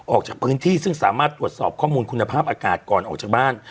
ออกจากพื้นที่ซึ่งสามารถตรวจสอบข้อมูลคุณภาพอากาศก่อนออกจากบ้าน